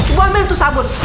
ibu ambil tuh sabun